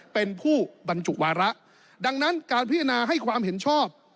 เป็นผู้บรรจุวาระดังนั้นการพิจารณาให้ความเห็นชอบ